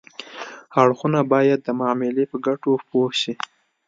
اړخونه باید د معاملې په ګټو پوه شي